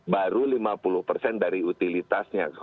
baru lima puluh persen dari utilitasnya